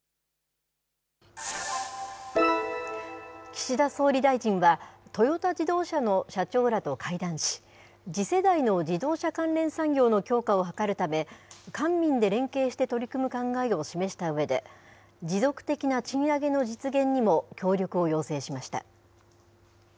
岸田総理大臣は、トヨタ自動車の社長らと会談し、次世代の自動車関連産業の強化を図るため、官民で連携して取り組む考えを示したうえで、持続的な賃上げの実現にも協力を要請しました。